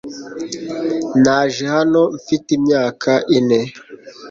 Naje hano mfite imyaka ine .